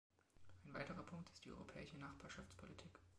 Ein weiterer Punkt ist die Europäische Nachbarschaftspolitik.